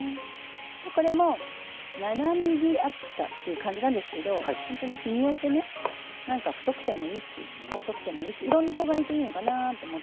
でこれも７ｍｍ厚さっていう感じなんですけどほんとに日によってねなんか太くてもいいし細くてもいいしいろんな子がいていいのかなと思ったりも。